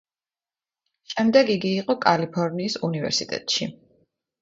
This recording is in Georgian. შემდეგ იგი იყო კალიფორნიის უნივერსიტეტში.